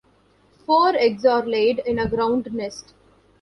Four eggs are laid in a ground nest.